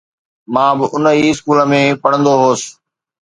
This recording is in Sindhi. مان به ان ئي اسڪول ۾ پڙهندو هوس.